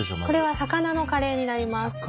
これは魚のカレーになります。